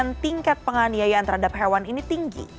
peringkat penganiayaan terhadap hewan ini tinggi